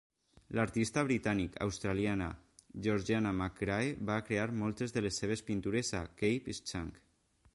L'artista britànic-australiana Georgiana McCrae va crear moltes de les seves pintures a Cape Schanck.